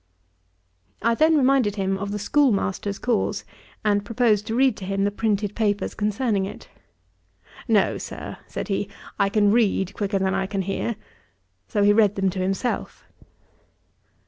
I then reminded him of the schoolmaster's cause, and proposed to read to him the printed papers concerning it. 'No, Sir, (said he,) I can read quicker than I can hear.' So he read them to himself.